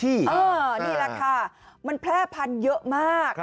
นี่แหละค่ะมันแพร่พันธุ์เยอะมาก